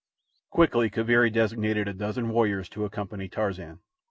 Quickly Kaviri designated a dozen warriors to accompany Tarzan.